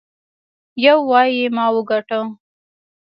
يو وايي ما وګاټه.